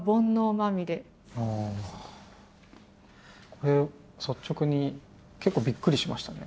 これ率直に結構びっくりしましたね。